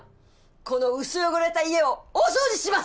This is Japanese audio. この薄汚れた家を大掃除します！